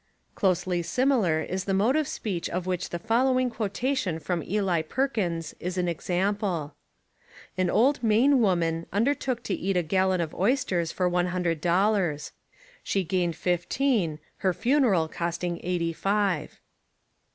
Closely sim ilar is the mode of speech of which the follow ing quotation from Eli Perkins is an example: "An old Maine woman undertook to eat a gal lon of oysters for one hundred dollars. She gained fifteen, her funeral costing eighty five."